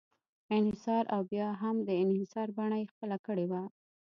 انحصار او بیا هم د انحصار بڼه یې خپله کړې وه.